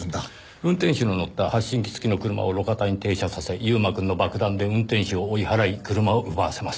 運転手の乗った発信機付きの車を路肩に停車させ悠馬くんの爆弾で運転手を追い払い車を奪わせます。